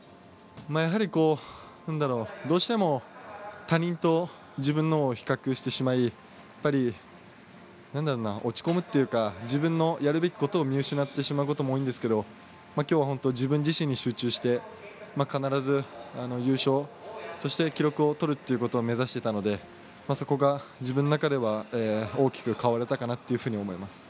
やはり、どうしても他人と自分のを比較してしまいやっぱり落ち込むっていうか自分のやるべきことを見失ってしまうことも多いんですけれどもきょうは本当に自分自身に集中して必ず優勝そして記録をとるっていうことを目指していたのでそこが自分の中では大きく変われたかなと思います。